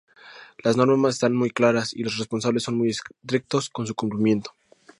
Las normas están muy claras y los responsables son muy estrictos con su cumplimiento.